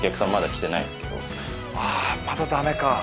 あまだ駄目か。